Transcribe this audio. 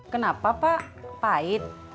kenapa pak pahit